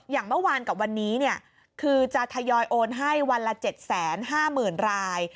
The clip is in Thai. อย่างเมื่อวานกับวันนี้คือจะทยอยโอนให้วันละ๗๕๐๐๐ราย